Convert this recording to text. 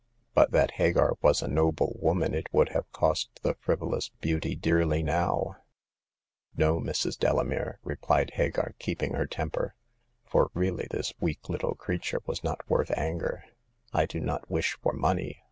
But that Hagar was a noble woman it would have cost the friv olous beauty dearly now. " No, Mrs. Delamere," replied Hagar, keep ing her temper — for really this weak little creature was not worth anger —" I do not wish for money.